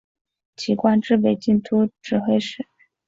其官至北京都指挥使。